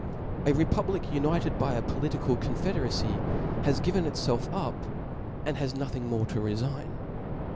A republic united by • a political confederacy, has given itfelf entirely up, and has* nothing more to refign.